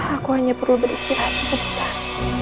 aku hanya perlu beristirahat sebentar